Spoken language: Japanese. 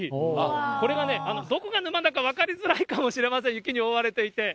これがどこが沼だか分かりづらいかもしれません、雪に覆われていて。